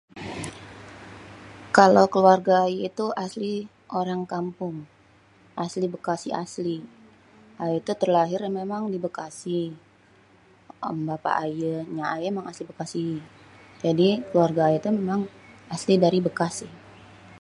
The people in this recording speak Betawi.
Kalo keluarga ayé tuh asli orang kampung asli Bekasi, asli. Ayé tuh emang terlahir di Bekasi. Bapak aye, enyak ayé emang asli Bekasi. Jadi keluarga ayé tuh memang asli dari Bekasi.